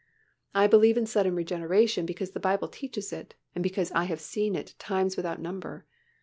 I believe in sudden regeneration because the Bible teaches it and because I have seen it times without number.